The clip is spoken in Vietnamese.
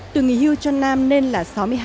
tuổi nghỉ hưu cho nam nên là sáu mươi hai